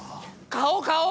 顔顔！